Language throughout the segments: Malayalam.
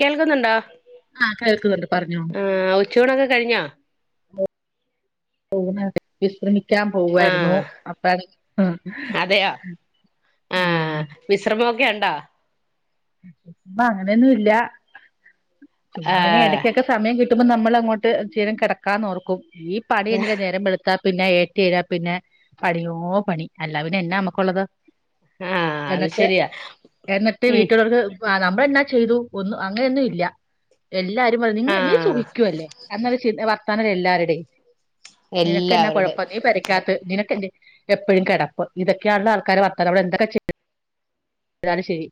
കേൾക്കുന്നുണ്ടോ ആഹ് കേൾക്കുന്നുണ്ട് പറഞ്ഞോ ആഹ ഉച്ചഊണ് ഒക്കെ കഴിഞ്ഞോ? [unintelligible] വിശ്രമിക്കാൻ ആ പോവുായിരുന്നു അപ്പഴാണ് ആഹ് അതെയോ ആ ഉം വിശ്രമൊക്കെ ഉണ്ടോ? ഇപ്പം അങ്ങനെയൊന്നും ഇല്ല ആ ചുമ്മാവിനെ ഇടക്കൊക്കെ സമയം കിട്ടുമ്പോ നമ്മൾ അങ്ങോട്ട് ഇച്ചിരി നേരം കിടക്കാനോർക്കും ഈ പണി കഴിഞ്ഞ നേരം വെളുത്ത് ത്താ പിന്നെ ഏറ്റരാ പിന്നെ പണിയോ പണി അല്ല പിന്ന എന്നാ നമുക്കുള്ളത് ആ അത് എന്നിട്ട് ശരിയാ എന്നിട്ട് ഉം വീട്ടി നമ്മള എന്നാ ചെയ്തു ഒന്നും അങ്ങനെയൊന്നും ഇല്ല എല്ലാരും പറ നി ആ നീ സുഖിക്കൂ അല്ലേ? അന്നൊരു ചി വർത്താനം അല്ലേ എല്ലാരുടെയും നിനക്ക്ന്നാ എല്ലാവരുടെ കൊഴപ്പം നീ പരക്കാത്ത നിനക്ക എന്റെ എപ്പോഴും കിടപ്പ് ഇതൊക്കയുള്ള ആൾക്കാർ വർത്താനം നമ്മൾ എന്തൊക്ക ചെയ്യ എന്നാലും ശരി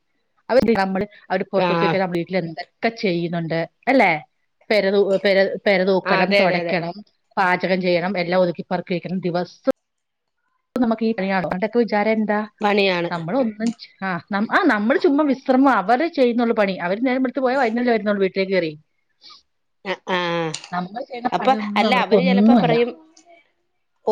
അവ നമ്മള് അവര് ആ പുറത്തോട്ട്ക്ക നമ്മ വീട്ടിൽ എന്താ ഒക്കെ ചെയ്യുന്നുണ്ട് അല്ലെ പെരതു പെര പെരതൂക്കണം അതെ അതെ അതെ തുടക്കണം പാചകം ചെയ്യണം എല്ലാം ഒതുക്കിപ്പറക്കി വെക്കണം ദിവസം പ്പം നമുക്ക്ഈ കയാണോ പണ്ടൊക്കെ വിചാരം എന്താ പണിയാണ് നമ്മള് ഒന്നും ചെ ആ ആ നമ്മള് ചുമ്മാ വിശ്രമം അവര് ചെയ്യുന്നുള്ളൂ പണി അവര് നേരം വെളുത്തുപോയ വൈുന്നല്ലേ വരുന്നുള്ളൂ വീട്ടിലേക്ക് കയറി ആഹ് ആഹ അപ്പൊ പണിയൊന്നും അല്ല അവർക്ക് അവര് ചിലപ്പോ ഒന്നുമല്ല പറയും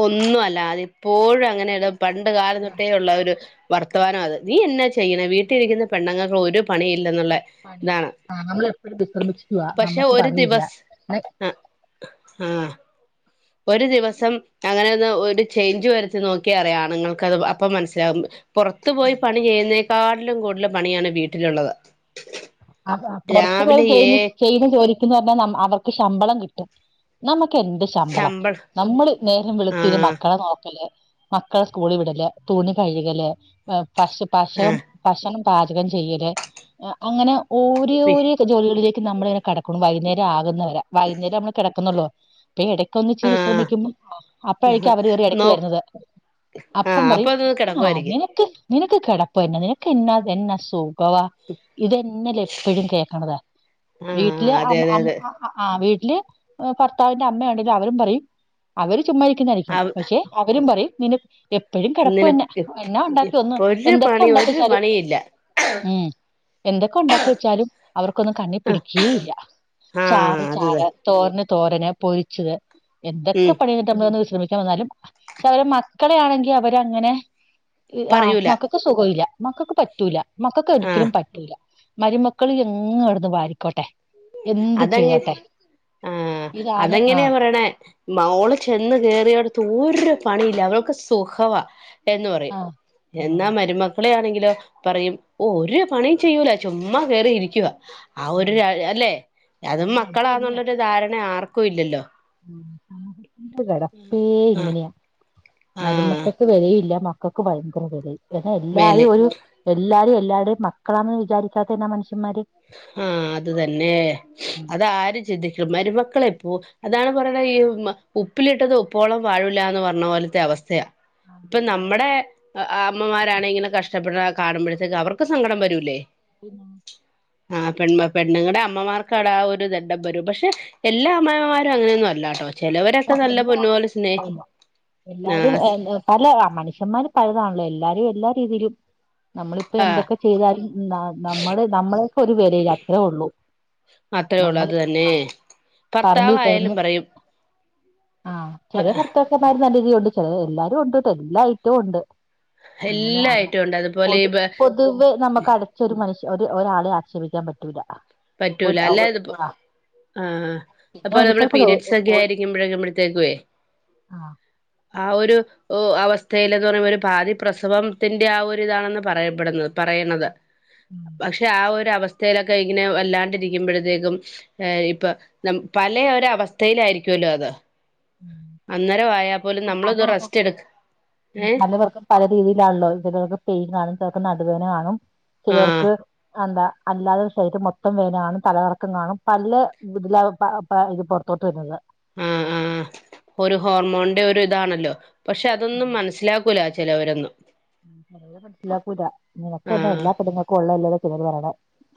ഒന്നും അല്ല അതിപ്പോഴും അങ്ങനെയ പണ്ട് കാലം തൊട്ടേ ഉള്ള ഒരു വർത്തമാനം അത് നീ എന്നാ ചെയ്യണ വീട്ടിലിരിക്കുന്ന പെണ്ണുങ്ങൾക്ക് ഒരു പണി ഇല്ലെന്നുള്ള പണി ആ നമ്മള എപ്പോഴും വിശ്രമിച്ചുവ പക്ഷെ നമ്മുക്ക് പണിയില്ല പിന്നെ ആഹ ഒരു ദിവസം അങ്ങനെ ഒന്ന് ഒരു ചേഞ്ച് വരുത്തി നോക്കി അറിയാം ആണുങ്ങൾക്കത് അപ്പം മനസ്സിലാകും പുറത്തു പോയി പണി ചെയ്യുന്നേക്കാട്ടിലും കൂടുതലും പണിയാണ് വീട്ടിലുള്ളത്. അവ പുറത്തു പോയി രാവിലെ ഏ ചെയ്യുന്ന ചെയുന്ന ചോലിക്ക് ന്ന് പറഞ്ഞാ നമ്മ അവർക്ക് ശമ്പളം കിട്ടും. നമ്മുക്ക് എന്ത് ശമ്പളം ശമ്പള നമ്മള് നേരം വെളുത്തി ആഹ് മക്കളെ നോക്കല് മക്കളെ സ്കൂളി വിടല് തുണി കഴുകല് പശ പശം ആഹ് ഭക്ഷണം പാചകം ചെയ്യല് അങ്ങനെ പി ഓരോര് അടുത്ത ജോലികളിലേക്ക് നമ്മള ഇങ്ങനെ കടക്കണു വൈന്നേരം ആകുന്നവരെ വൈകുന്നരം നമ്മള് കിടക്കുന്നുള്ളോ ഇപ്പ ഇടക്ക ഒന്നിച്ച ആഹ് വിശ്രമിക്കുപ്പ അപ്പഴേക്കും അവര് കയറി ഇടയ്ക്ക് നോ വരുന്നത് അപ്പം ആഹ് അപ്പൊ പറയും അത് ആ കിടക്കുവായിരിക്കും നിനക്ക് നിനക്ക് കിടപ്പന്ന നിനക്ക് എന്ന എന്നാ സുഖവ ഇത് തന്നെല്ലെ എ എപ്പഴും കേക്കണതാ ആഹ് വീട്ടില് അതെ അം അതെ അം അതെ അ ആഹ് വീട്ടില് ഭർത്താവിന്റെ അമ്മ ഉണ്ടെങ്കും അവരും പറയും അവര് ചുമ്മാ ഇരിക്കുന്നതായിരിക്കും അവ പക്ഷെ അവരും പറയും നിന എപ്പഴും കിടപ്പുന്നെ നിനക്ക് എന്നാ ഉണ്ടാക്കി ഒന്ന് ഇപ്പൊ ഒരു എന്തൊക്കെ പണി ഒരു ഉണ്ടാക്കിവെച്ചാലും പണിയില്ല ഉം എന്തൊക്കെ ഉണ്ടാക്കി വെച്ചാലും അവർക്കൊന്നും കണ്ണി ആഹ് പിടിക്കുകേ ഇല്ല ആഹ് ചാറ് അത് തന്നെ ചാറ് തോരന് തോരന് പൊരിച്ചത് എന്തൊക്കെ ഉം പണി കഴിഞ്ഞിട്ട് നമ്മൾന്ന് വിശ്രമിക്കാൻ വന്നാലും പക്ഷെ അവര് മക്കളൊണെങ്കിൽ അവര അങ്ങനെ ആ മക്ക പറയൂല മക്കൾക്ക് സുഖല്ല മക്കൾക്ക് പറ്റൂല മക്കൾക്ക് ഒരിക്കലും ആഹ് പറ്റൂല മരുമക്കൾ എങ്ങങ് ഇടുന്ന് വാരിക്കോട്ടെ എന്ത് അതെങ്ങെ ചെയ്തോട്ടെ ആഹ ഇതാണ് ആ അതെങ്ങനെയാ പറയണ മോള് ചെന്ന് കയറിയടുത്ത് ഒരു പണിയില്ല അവൾക്ക് സുഖവാ എന്ന് പറയും ആ ആ എന്നാ മരുമ ളെ ണെങ്കിലോ പറയും ഓ ഒരു പണിയ ചെയ്യൂല ചുമ്മ കേറി ഇരിക്കവാ ആ ഒരു ഉം ല്ലേ അതും ആ അത് തന്നെയാ മക്കളാന്നുള്ളൊരു ധാരണ ആർക്കുല്ലല്ലോ [unintelligible] കിടപ്പേ ആഹ് ഇങ്ങനെയാ ആഹ് മരുമക്കൾക്ക് വെര ല്ല മക്കക്ക് ഭയങ്കര വിലെ എല്ലാരു വേല് ഒരു എല്ലാരും എല്ലാരുടെയും മക്കളാണെന്ന് വിചാരിച്ചാത്തന്ന മനുഷ്യന്മാര് ആഹ് അത് തന്നെ അതാരും ചിന്തിക്കും മരുമക്കളെപ്പോ അതാണ് പറയുന്നത്ത് ഈ ഉപ്പിലിട്ടത് ഉപ്പോളം വാഴൂല്ലന്ന് പറഞ്ഞപോലത്തെ അവസ്ഥയാ. ആഹ് പ്പൊ അതന്നെ. നമ്മുടെ അമ്മമാരാണെങ്കിലെ കഷ്ടപ്പെടുന്ന കാണുമ്പോഴത്തേക്ക് അവർക്ക് സങ്കടം വരൂല്ലേ? [inaudible] ആഹ് പെൺമ പെണ്ണുങ്ങടെ അമ്മമാർക്കാട ആ ഒരു ദണ്ണം വരും പക്ഷെ എല്ലാ അമ്മയിമാരും അങ്ങനെന്നും അല്ലട്ടോ ചിലവരൊക്കെ നല്ല എല്ലാ പൊന്നു പോലെ സ്നേ ആഹ് അല്ല മനുഷ്യന്മാര് പലതാണല്ലോ എല്ലാരും എല്ലാ രീതിയിലും നമ്മളിപ്പോ ആഹ് എന്തൊക്കെ ചെയ്താലും നമ്മുടെ നമ്മളൊക്കെ ഒരു വിലയില്ല അത്രഉള്ളൂ അത്രേ ഉള്ളൂ അത് നമ്മളീ തന്നെ ആഹ് ഭർത്താവായാലും പറമ്പികിടന്നു പറയും ആഹ് ചെല ഭർത്താക്കന്മാരും നല്ല രീതിയുണ്ട് ചെലത് എല്ലാരും ഉണ്ട് എല്ലാ ഐറ്റവും ഉണ്ട് എല്ലാ ഇങ്ങനെങ്ങനെ ഐറ്റം ഉണ്ട് അതുപോലെ ഈ പോട്ട്പോട്ട് [unintelligible] നമുക്ക് അടച്ചൊരു മനുഷ്യ ഒരാളെ ആക്ഷേപിക്കാൻ പറ്റൂല. ഒരു പറ്റൂല അല്ല ത്പ്പോ ആഹ് ആഹ് പിന്നെ അപ്പോ ഒരു നമ്മെള് ഓരോരുത്തർക്കും പീരയഡ്സക്കെ ആയിരി [unintelligible] ആഹ് ആ ഒരു ഓ അവസ്ഥയിയില എന്ന് പറയുമ്പോ ഒരു പാതി പ്രസവത്തിന്റെ ആ ഒരുരിതാണെന്ന് പറയപ്പെടുന്നത് പറയുന്നത് പക്ഷെ ആ ഒരവസ്ഥയിലൊക്കെ ഇങ്ങനെ വല്ലാണ്ടിരിക്കുമ്പോഴത്തേക്കും ഇപ്പ നമ്പല ഒരവസ്ഥയിലായിരിക്കുമല്ലോ അത് ഉം അന്നേരമായാൽ പോലും നമ്മളെ പല ഇത ആൾക്കാർക്കും റസ്റ്റ് എടുക്ക ഏഹ് പലവർക്കും പല രീതിയിലാണല്ലോ ചിലർക്ക് പെയിൻ കാണും ചിലർക്ക് നടുവേന കാണും ആഹ് ചിലവർക്ക് എന്താ? അല്ലാതെ ശരീരം മൊത്തം വേന കാണും തലകറക്കം കാണും പല ഇതില പ ഇത് പുറത്തോട്ട് വരുന്നത് ആഹ് ആഹ് ഒരു ഹോർമോണിന്റെ ഒരു ഇതാണല്ലോ പക്ഷെ അതൊന്നും മനസ്സിലാക്ക കൂലാ ചിലോറൊന്നും യേ മനസ്സിലാക്കൂല നിനക്ക് എന്നെ ആഹ് എല്ലാ പെങ്ങൾക്കും ഉള്ളതല്ലാതതന്ന് പറയണേ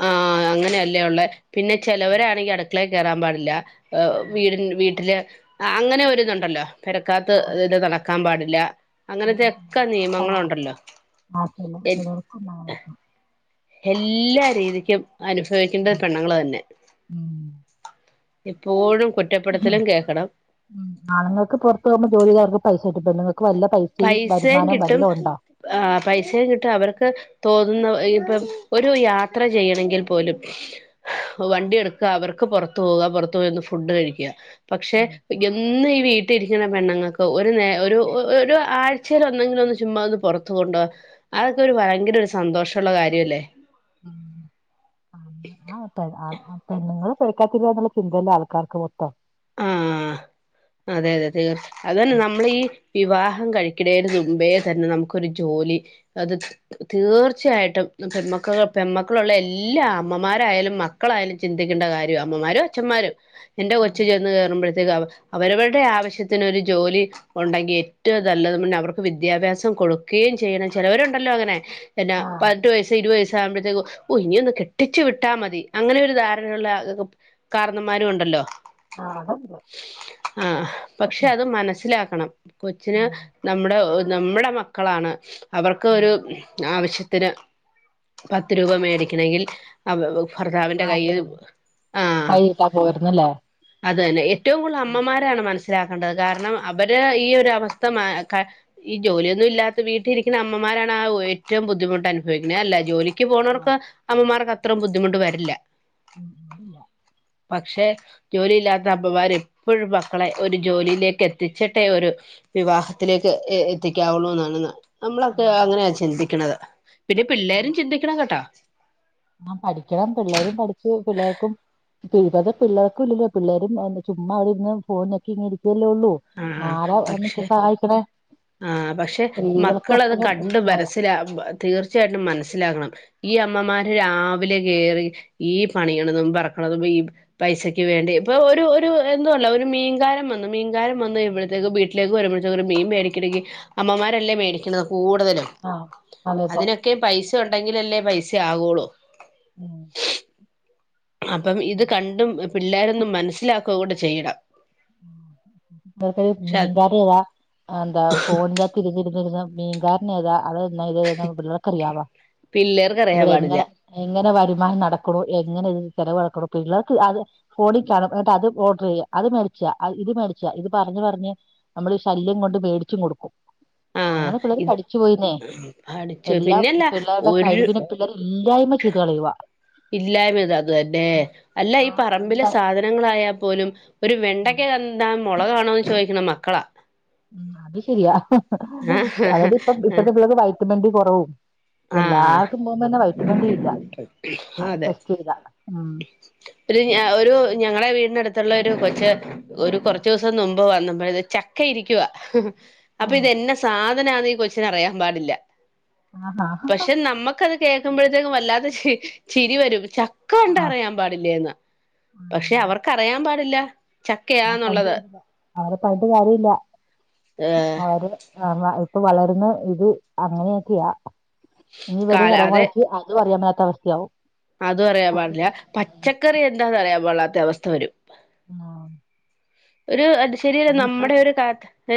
ആഹ് അങ്ങനെയ അല്ലേ ഉള്ളെ പിന്നെ ചെിലവരാണെങ്കിൽ അടുക്കളേ കയറാൻ പാടില്ല വീടി വീട്ടില് അങ്ങനെ ഒരിതുണ്ടല്ലോ പെരക്കാത്ത് ആഹ് ഇത് നടക്ക ക്കാൻ പാടില്ല അങ്ങനത്തെക്കെ ആഹ് നിയമങ്ങളുണ്ടല്ലോ ആഹ് എ ചിലർക്കുണ്ടാവും എല്ലാ രീതിക്കും അനുഭവിക്കേണ്ട പെണ്ണുങ്ങള് തന്നെ ഉം എപ്പോഴും കുറ്റപ്പെടുത്തലും കേൾക്കണം ഉം ആണുങ്ങൾക്ക് പുറത്ത പോകുമ്പോ ജോലിക്കാർക്ക് പൈസ കിട്ടും നിങ്ങൾക്ക് വല്ല പൈസയും വരുമാനവും വല്ല ഉണ്ടോ ആഹ് പൈസയും കിട്ടും അവർക്ക് തോന്നുന്ന ഇപ്പം ഒരു യാത്ര ചെയ്യണെങ്കിൽ പോലും വണ്ടി എടുക്കുക അവർക്ക് പുറത്തു പോക പുറത്തു പോയി ഫുഡ് കഴിക്കുക പക്ഷെ ഉം എന്നും ഈ വീട്ടിലരിക്കുന്ന പെണ്ണുങ്ങൾക്ക് ഒരു നേ ഒരു ആഴ്ചയിൽ ഒന്നെങ്കിലും ഒന്ന് ചചുമ്മാ ഒന്ന് പുറത്തു കൊണ്ട് പോവുക അതൊക്കെ ഒരു ഭയങ്കര ഒരു സന്തോഷള്ള കാര്യല്ലേ ഉം ആണ്. ആ പെണ്ങ്ങള് പേരക്കാക്കക്കാത്തിരിന്നുള്ള ചിന്തയല്ലേ ആൾക്കാർക്ക് മൊത്തം. ആഹ് അതെ അതെ തീർച്ചയ അത തന്നെ നമ്മളീ വിവാഹം കഴിക്കണെന്റെ മുമ്പേ തന്നെ നമുക്കൊരു ജോലി അത് തീർച്ചയായിട്ടും പെൺമക്കൾ പെന്മക്കളുള്ള എല്ലാ അമ്മമാരായാലും മക്ക് മക്കളായാലും ചിന്തിക്കണ്ട കാര്യംവാ അമ്മമാരും അഛന്മാരും എന്റെ കൊ ച് ചന്ന് കയറുമ്പോഴത്തേക്ക് അവരവരുടെ ആവശ്യത്തിനൊരു ജോലി ഉണ്ടെങ്കി ഏറ്റവും നല്ലത് മുന്നെ അവർക്ക് വിദ്യാഭ്യാസം കൊടുക്കുകയും ചെയ്യണം ചിലവരുണ്ടല്ലോ അങ്ങനെ എന്നാ ആഹ് പതിനെട്ട് വയസ്സ് ഇരുപത് വയസ്സ് ആകുമ്പോഴത്തേക്കും ഓ ഇനി ഒന്ന് കെട്ടിച്ചു വിട്ടാ മതി അങ്ങനെരു ധാരണയുള്ള കാരണന്മാരും ഉണ്ടല്ലോ ആഹ് ആഹ് പക്ഷെ അത് മനസ്സിലാക്കണം കൊച്ചിന് നമ്മുടെ നമ്മുടെ മക്കളാണ് അവർക്ക് ഒരു ആവശ്യത്തിന് പത്ത് രൂപ മേടിക്കണെങ്കിൽ അ ഭർത്താവിന്റെ കൈയിൽ ആഹ് ഇത്ത പോയിരുന്നല്ലേ അത് തന്നെ ഏറ്റവും കൂടുതൽ ഉം അമ്മമാരാണ് മനസ്സിലാക്കേണ്ടത് കാരണം അവര് ഈ ഒരു അവസ്ഥ ഈ ജോലിയൊന്നും ഇല്ലാത്ത വീട്ടിലിരിക്കുന്ന അമ്മമാരാണ് ആ ഏറ്റവും ബുദ്ധിമുട്ട് അനുഭവിക്കുന്നത് അല്ലേ ജോലി ക്ക് ആഹ് പോണവർക്ക് അമ്മമാർക്ക് അത്രയും ബുദ്ധിമുട്ട് വരില്ല ഉം ഇല്ല പക്ഷെ ജോലിയില്ലാത്ത അമ്മമാര് എപ്പോഴും മക്കളെ ഒരു ജോലിയിലേക്ക് എത്തിച്ച് ഒരു വിവാഹത്തിലേക്ക് എത്തിക്കാവുള്ളൂ എന്നാണ് നമ്മളൊക്കെ ഉം. അങ്ങനെയ ചിന്തിക്കണത് പിന്നെ പിള്ളേരും ചിന്തിക്കണം കേട്ടോ ആഹ് പഠിക്കണം പിള്ളേരും പഠിച്ചു പിള്ളേർക്കും ഇവിടെ പിള്ളേർക്കും ഇല്ലല്ലോ പിള്ളേരും ചുമ്മാ അവിടെ ഇരുന്ന് ഫോൺ ഞെക്കി ഇങ്ങനെ ഇരിക്കല്ലേ ഉള്ളൂ ആരാ എന്നിട്ട് സഹായിക്കണേ ആഹ് പക്ഷെ സ്ത്രീകൾക്ക് മക്കളത് കണ്ട് എപ്പഴും മനസ്സില തീർച്ചയായിട്ടും മനസ്സിലാക്കണം ഈ അമ്മമാര് രാവിലെ കേറി ഈ പണിയണതും പറക്കണതും ഈ പൈസക്ക് വേണ്ടി ഇപ്പൊ ഒരു ഒരു എന്തുമല്ല ഒരു മീൻകാരൻ വന്നു മീൻ എല്ലാരും വന്നു കഴിയുമ്പോഴത്തേക്കും വീട്ടിലേക്ക് വരുമ്പോഴത്തേക്കും ഒരു മീൻ മേടിക്കണെങ്കിൽ അമ്മമാരല്ലേ മേടിക്കുന്നത് കൂടുതലും ആഹ് അതെ അതെ ഒക്കെ പൈസ ഉണ്ടെങ്കിൽ അല്ലേ പൈസ ആകുള്ളൂ ഉ അപ്പം ഇത് കണ്ടും പിള്ളേരൊന്നും മനസ്സിലാക്കുക കൂടി ചെയ്യുക അത് പക്ഷെ മീൻകാര് ദാ അന്ത ഫോൺ തിരിഞ്ഞിരിരുന്ന മീൻ കാർ പിന്നെതാ അതല്ലാ ഇതെതാന്ന് പിള്ളേർക്കറിയവാ പിള്ളേർക്ക് അറിയാൻ ഇവിടെ പാടില്ല എങ്ങനെ എങ്ങനെ വരുമാനം നടക്കണു എങ്ങനെ ഇത് ചെലവാക്കണോ പിള്ളേർക്ക് അത് ഫോണിൽ കാണാ എന്നിട്ട് അത് ഓർഡർ ചെയ്യുക അത് മേ മ ഇത് മേടിച്ച ഇത് പറഞ്ഞു പറഞ്ഞ് നമ്മള് ശല്യം കൊണ്ട് മേടിച്ചു കൊടുക്കും ആഹ് അങ്ങനെ പിള്ളേര് ഇത് പഠിച്ചു പോയിന്നേ പഠിച്ചു എല്ലാം പിന്നെല്ല പിള്ളേരുടെ ഒരു കഴിവിന് പിള്ളേർ ഇല്ലായ്മ ചെയ്ത് കളയുവ ഇല്ലായ്മ അത് തന്നെ അല്ല ഈ ആഹ് പറമ്പിലെ എല്ലാ സാധനങ്ങളായാൽ പോലും ഒരു ഉം വെണ്ടക്ക കണ്ടാൽ മുളക് ആണോന്ന് ചോദിക്കണ മക്കളാ അത് ശരിയാ ആഹ് അതിപ്പ ഇപ്പളത്തെ പിള്ളേർക്ക് വയറ്റ വണ്ടി കുറവും ആഹ് എല്ലാർക്കും പോകുമ്പ തന്നെ വൈറ്റുമണ്ടി ഇല്ല അതെ ടെസ്റ്റ് ചെയ്ത ഉം ഒരു ഞ ഒരു ഞങ്ങടെ വീടിനടുത്തുള്ള ഒരു കൊച്ച് ഒരു കൊറച്ച് ദിവസം മുമ്പ് വന്നപ്പഴ് ചക്ക ഇരിക്കുവാ അപ്പൊ ഇതെന്ന സാധനണ് ഈ കൊച്ചിന് അറിയാൻ പാടില്ല ആഹ് ആഹ് താമസം പക്ഷെ നമ്മുക്കത് കേൾക്കുമ്പോഴത്തേക്കും വല്ലാത്ത ചിരി വരും ചക്ക ആ ഉണ്ടറിയാം പാടില്ലന്ന് പക്ഷെ അവർക്കറിയാൻ പാടില്ല അവര് പണ്ട് ചക്കയാന്നുള്ളത് കല്ല അവരെ പറഞ്ഞിട്ട് കാര്യല്ല ഏ അവര് ആഹ് ഇപ്പൊ വളർന്ന് ഇത് അങ്ങനെയൊക്കയാ ഇനി വരും കാല അതെ തലമുറക്ക് അതും അറിയാൻ മേലാത്ത അവസ്ഥയാവും അതും അറിയൻ പാടില്ല പച്ചക്കറി എന്താന്ന് അറിയാൻ പാടില്ലാത്ത അവസ്ഥ വരും ആഹ് ഒരു ശരിയല്ല അതിപ്പോ നമ്മുടെ ഒരു കാ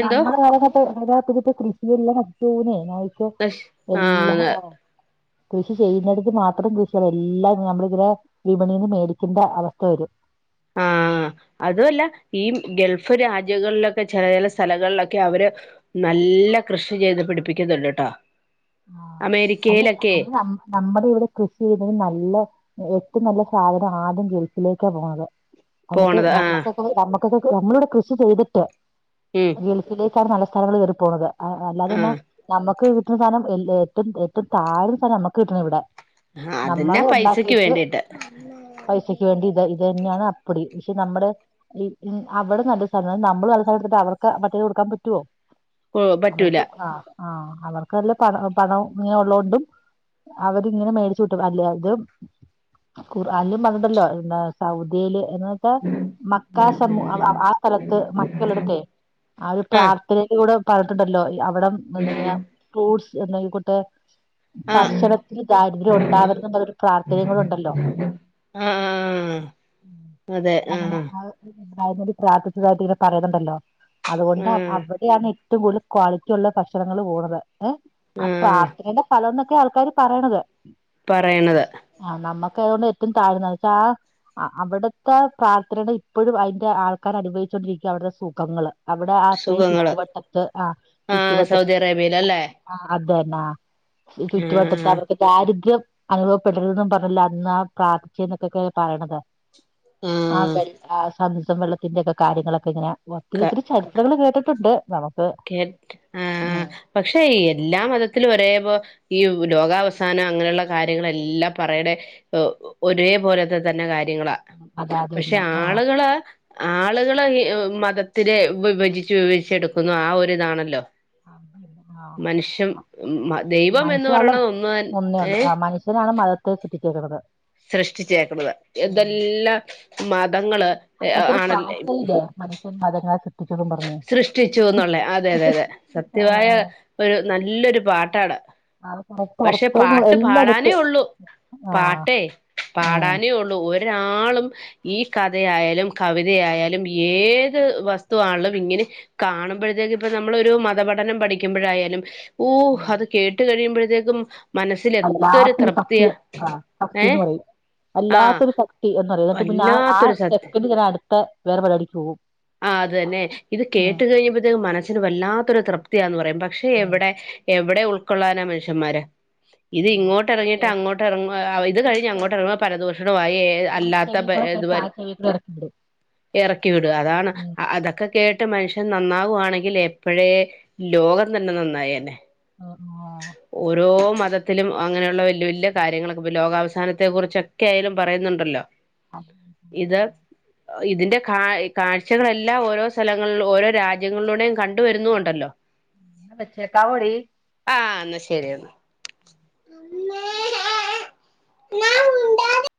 എന്തോ നമ്മുടെ കാല തപ്പ കൃഷിയല്ല [unintelligible] എല്ലാം ആ കൃഷി ചെയ്യുന്നടത്ത് മാത്രം കൃഷി എല്ലാം നമ്മള് ഇങ്ങനെ വിപണിന്ന് മേടിക്കേണ്ട അവസ്ഥ വരും ആഹ് അതുവല്ല ഈ ഗൾഫ് രാജ്യങ്ങളിലൊക്കെ ചെല ചെല സ്ഥലങ്ങളിലൊക്കെ അവര് നല്ല കൃഷി ചെയ്ത് പിടിപ്പിക്കുന്ന്ണ്ട്ട്ടോ ആഹ് അല്ല അല്ല [unintelligible] ന നമ്മുടെ ഇവിടെ കൃഷി ചെയ്തെ നല്ല ഏറ്റവും നല്ല സാധനം ആദ്യം ഗൾഫിലേക്കാ പോവുന്നത് എന്നിട്ട് പോണത് ആഹ് നമ്മക്കൊക്കെ നമ്മക്കൊക്കെ നമ്മളിവടെ കൃഷി ചെയ്തിട്ട് ഉം ഗൽഫിലേക്കാണ് നല്ല സാനങ്ങള് കേറി പോണത് അ അല്ലാതെന്ന ആഹ് ഞമ്മക്ക് കിട്ടുന്ന സാനം ഏറ്റോം ഏററ്റോം താഴ്ന്ന സാനവാ നമ്മക്ക് കിട്ടണെ ഇവടെ അതിന്റെ നമ്മള് പൈസക്ക് ഒണ്ടാക്കിട്ട് വേണ്ടിട്ട് പൈസക്ക് വേണ്ടി ഇത് ഇത് തന്നെയാണ് അപ്പടി പക്ഷെ നമ്മുടെ അവടെ നല്ലൊരു [unintelligible] നമ്മള് നല്ല സാനത്ത്ട്ട് അവർക്ക് മറ്റേത് കൊടുക്കാൻ പറ്റുവോ ഓ പറ്റൂല അവർക്ക് ആ ആ അവർക്ക് നല്ല പണ പണം ഇങ്ങനെ ഉള്ളതുകൊണ്ടും അവരിങ്ങനെ മേടിച്ചു കൂട്ടും അല്ലെ അതും ഖുറാനിലും പറഞ്ഞ്ണ്ടല്ലോ [unintelligible] സൗദി യില് എന്ന വച്ചാ മക്കാ സമൂഹ ആ സ്ഥലത്ത് മക്കളട്ത്തെ ആ ഒരു ആഹ് പ്രാർത്ഥനയുടെ കൂടെ [unintelligible] ട്ടുണ്ടല്ലോ അവടെ എന്തങ്ങേ ഫ്രൂട്ട്സ് [unintelligible] ആഹ് പക്ഷണത്തിന് ദാരിദ്ര്യം ഒണ്ടാവരുത് എന്നൊരു പ്രാർത്ഥനേം കൂടെ ഒണ്ടല്ലോ ആഹ് ഉം അങ്ങനെ ആഹ് [unintelligible] പ്രാർത്ഥിച്ചതായിട്ട് ഇങ്ങനെ പറയുന്നുണ്ടല്ലോ അതുകൊണ്ട് ആഹ് അവടെയാണ് ഏറ്റോം കൂടുതല് ക്വാളിറ്റി ഒള്ള ഭക്ഷണങ്ങൾ പോണത് ഏഹ് ആ ആഹ് പ്രാർത്ഥനടെ ഫലന്നൊക്കെ ആൾക്കാര് പറയണത് പറയണത് ആഹ് നമ്മക്ക് അതുകൊണ്ട് ഏറ്റും താഴ്ന്നത് ആഹ് ആഹ് അവിടുത്തെ പ്രാർത്ഥനയോടെ ഇപ്പോഴും അതിന്റെ ആൾക്കാര് അനുഭവിച്ചോണ്ടിരിക്കാണ് അവിടെ സുഖങ്ങള് അവിടെ അത്രയും സുഖങ്ങള് ചുറ്റുവട്ടത്ത് ആഹ ചുറ്റുവട്ടത്ത് വെയിലല്ലേ ആഹ്‌ അതന്നാ അഹ് ചുറ്റുവട്ടത്ത് ആഹ് അവർക്ക് ദാരിദ്ര്യം അനുഭവപ്പെടരുതും പറഞ്ഞില്ല അന്നാ പ്രാർഥിച്ച് എന്നൊക്കെ പറയണത് ആഹ് വെള ആഹ്‌ സംസം വെള്ളത്തിന്റെക്കെ കാര്യങ്ങളെക്കെ ഇങ്ങനെ ഒത്തിരി ക ഒത്തിരി ചരിത്രങ്ങൾ കേട്ടിട്ടുണ്ട് [unintelligible] ആ ഉം പക്ഷെ ഈ എല്ലാ മതത്തിലും ഒരേപോ ഈ ലോകാവസാനം അങ്ങനെയുള്ള കാര്യങ്ങളെല്ലാം പറയണെ ഏഹ് ഒരേ പോലത്തെ തന്നെ കാര്യങ്ങളാ അതാ പഷേ അതന്നെ ആ ആളുകള് ആളുകൾ മതത്തിനെ വിഭജിച്ച് വിഭജിച്ചെടുക്കുന്നു ആ ഒരിതാണല്ലോ ആ മനുഷം ദൈവം എന്ന് മനുഷ്യരാണ് പറയണത് ഒന്ന് ഒന്നേ ഉള്ളൂ ഏഹ് ആ മനുഷ്യനാണ് [unintelligible] സൃഷ്ടിച്ചേക്കണത് സൃഷ്ടിച്ചേക്കണത് ഉം എന്തെല്ലാം മതങ്ങള് ആണ മനഷ്യൻ [unintelligible] സൃഷ്ടിച്ചുന്നുള്ളേ അതെ അതെ അതെ സത്യമായ ഒരു നല്ലൊരു പാട്ടാണ് അത് കറക്റ്റ് പക്ഷെ അർത്ഥവും പാട്ട് പാടാനേ എല്ലായിടത്ത് ഉള്ളൂ ആ പാട്ടേ ഉം പാടാനേ ഒള്ളൂ ഒ രാളും ഈ കഥയായാലും കവിതയായാലും ഏത് വസ് തു ആണേലും ഇങ്ങനെ കാണുമ്പോഴത്തേക്കും ഇപ്പ നമ്മളൊരു മതപഠനം പഠിക്കുമ്പോഴായാലും ഓ ഉം. അത് കേട്ട് കഴിയുമ്പോഴത്തേക്കും മനസ്സിൽ എത്തൊരു വല്ലാത്തൊരു ശക്തി തൃപ്തിയാ ആ ശക്തി ഏ എന്ന് പറയും ആ വല്ലാത്തൊരു ശക്തി ശരീരത്ത് പിന്നെ ആ ആ വല്ലാത്തൊരു സത്യ സെക്കൻഡ് ഞാൻ അടുത്ത വേറെ പരിപാടിക്ക് പോവും ആഹ് അതന്നെ ഇത് കേട്ട കഴിയുമ്പത്തേക്കും മനസ്സിന് വല്ലാത്തരു തൃപ്തിയാന്ന് പറയും പക്ഷെ എവിടെ എവിടെ ഉൾക്കൊള്ളാനാ മനുഷ്യന്മാര് ഇത് ഉം. ഇങ്ങോട്ട് ഓക്കേ. ഇറങ്ങിയിട്ട് അങ്ങോട്ട് ഇറങ്ങ ഇത് ഈ കഴിഞ്ഞ് ചെ- അങ്ങോട്ട ഇറങ്ങപോൾ പലദൂഷണമായി ഈ ചെവി അല്ലാത്ത കൂടെ ഇത് [unintelligible] ഇറക്കി വിടുക അതാണ് ഉം. അ- അതൊക്കെ കേട്ട് മനുഷ്യൻ നന്നാകുവാണെങ്കിൽ എപ്പോഴേ ലോകം തന്നെ നന്നായിന ആഹ് ആഹ് [inaudible] ഓരോ മതത്തിലും അങ്ങനെയുള്ള വലിയ വലിയ കാര്യങ്ങളൊക്കെ ഇപ്പ ലോകാവസാനത്തെ കുറിച്ചൊക്കെ ആയാലും പറയുന്നുണ്ടല്ലോ ഇത് ഇതിന്റെ കാ കാഴ്ചകളെല്ലാം ഓരോ സ്ഥലങ്ങളിൽ ഓരോ രാജ്യങ്ങളിലൂടെയും കണ്ടുവരുന്നുണ്ടല്ലോ വച്ചേക്കാവോടി ആഹ എന്നാ ശരി എന്നാൽ [unintelligible]